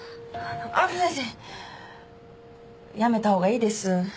あっ先生やめたほうがいいです